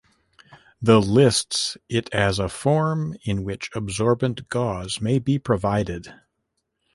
The lists it as a form in which Absorbent Gauze may be provided.